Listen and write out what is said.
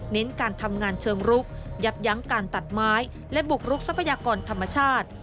การทำงานเชิงรุกยับยั้งการตัดไม้และบุกรุกทรัพยากรธรรมชาติ